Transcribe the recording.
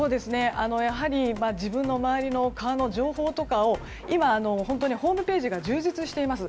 やはり自分の周りの川の情報とかを今、ホームページが充実しています。